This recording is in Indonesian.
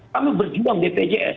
kami berjuang bpjs